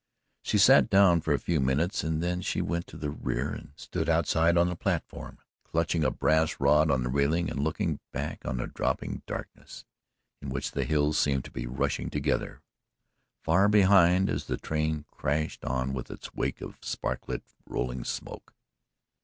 She sat down for a few minutes and then she went to the rear and stood outside on the platform, clutching a brass rod of the railing and looking back on the dropping darkness in which the hills seemed to be rushing together far behind as the train crashed on with its wake of spark lit rolling smoke.